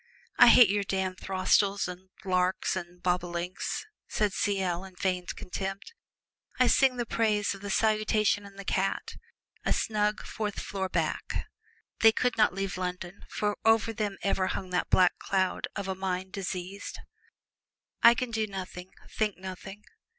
"I hate your damned throstles and larks and bobolinks," said C.L., in feigned contempt. "I sing the praises of the 'Salutation and the Cat' and a snug fourth floor back." They could not leave London, for over them ever hung that black cloud of a mind diseased. "I can do nothing think nothing.